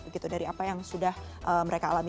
begitu dari apa yang sudah mereka alami